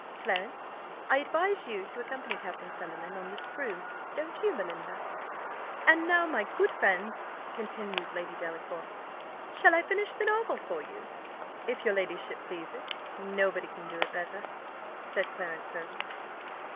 Clarence, I advise you to accompany Captain Sunderland on this cruise; don't you, Belinda? "And now, my good friends," continued Lady Delacour, "shall I finish the novel for you?" "If your ladyship pleases; nobody can do it better," said Clarence Hervey.